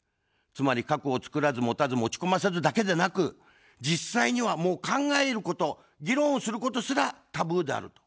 つまり、核を作らず、持たず、持ち込ませずだけでなく、実際には、もう考えること、議論をすることすらタブーであると。